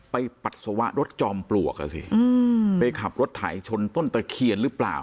ปัสสาวะรถจอมปลวกอ่ะสิไปขับรถไถชนต้นตะเคียนหรือเปล่า